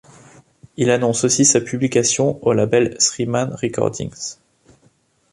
Il annonce aussi sa publication au label Threeman Recordings.